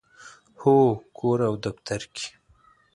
هو، کور او دفتر کې